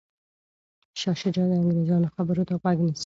شاه شجاع د انګریزانو خبرو ته غوږ نیسي.